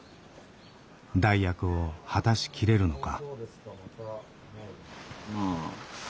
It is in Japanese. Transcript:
代役を果たしきれるのか。